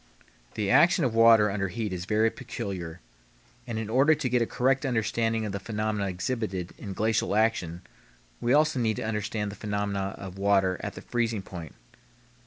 The action of water under heat is very peculiar, and in order to get a correct understanding of the phenomena exhibited in glacial action we also need to understand the phenomena of water at the freezing point.